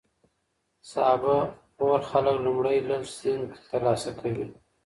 سابه خور خلک لومړی لږ زینک ترلاسه کوي.